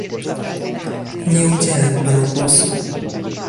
Nie udzielę panu głosu